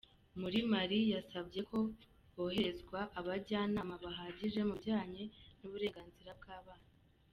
Muri Mali, yasabye ko hoherezwa abajyanama bahagije mu bijyanye n’uburenganzira bw’abana.